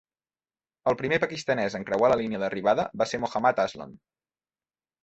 El primer pakistanès en creuar la línia d'arribada va ser Mohammad Aslam.